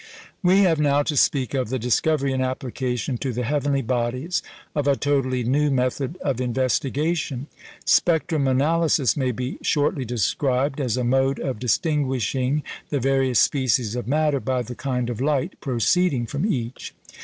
We have now to speak of the discovery and application to the heavenly bodies of a totally new method of investigation. Spectrum analysis may be shortly described as a mode of distinguishing the various species of matter by the kind of light proceeding from each.